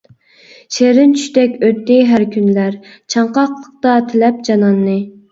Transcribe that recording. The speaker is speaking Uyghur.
شېرىن چۈشتەك ئۆتتى ھەر كۈنلەر، چاڭقاقلىقتا تىلەپ جاناننى.